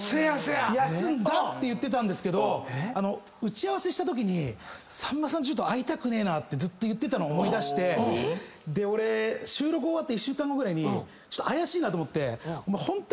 て言ってたんですけど打ち合わせしたときに「さんまさん会いたくねえな」ってずっと言ってたの思い出して収録終わって１週間後ぐらいにちょっと怪しいなと思ってホントにインフルエンザ？